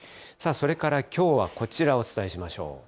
さあ、それから、きょうはこちら、お伝えしましょう。